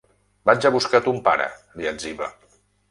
Vaig a buscar ton pare —li etziba—.